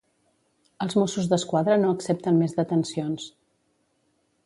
Els Mossos d'Esquadra no accepten més detencions.